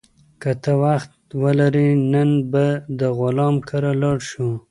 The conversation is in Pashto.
که ته وخت ولرې، نن به د غلام کره لاړ شو.